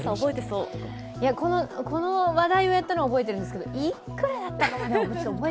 この話題をやったのは覚えてるんですけど、いくらだったかは。